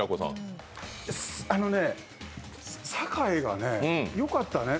あのね、酒井がよかったね。